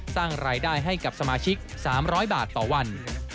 สร้างรายได้ให้กับสมาชิก๓๐๐บาทต่อวัน